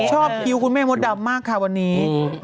คิ้วคุณแม่มดดำมากค่ะวันนี้